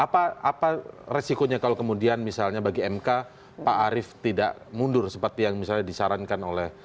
apa resikonya kalau kemudian misalnya bagi mk pak arief tidak mundur seperti yang misalnya disarankan oleh